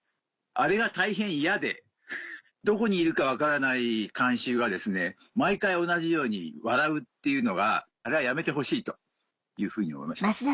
あれが大変嫌でどこにいるか分からない観衆が毎回同じように笑うっていうのがあれはやめてほしいというふうに思いました。